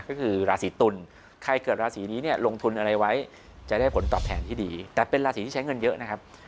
ก็คือราศีตุลใครเกิดราศีนี้เนี่ยลงทุนอะไรไว้จะได้ผลตอบแทนที่ดีแต่เป็นราศีที่ใช้เงินเยอะนะครับ